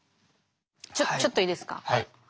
ちょちょっといいですか？